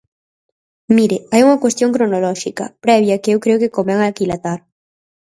Mire, hai unha cuestión cronolóxica previa que eu creo que convén aquilatar.